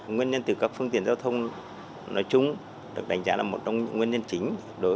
nguyên nhân từ các phương tiện giao thông nói chung được đánh giá là một trong những nguyên nhân chính